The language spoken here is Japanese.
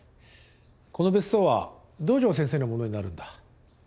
この別荘は堂上先生のものになるんだ。